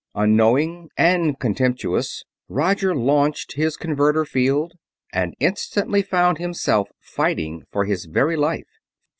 Unknowing and contemptuous, Roger launched his converter field, and instantly found himself fighting for his very life.